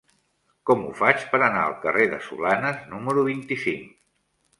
Com ho faig per anar al carrer de Solanes número vint-i-cinc?